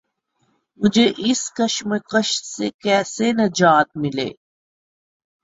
مجھے اس کشمکش سے کیسے نجات ملے؟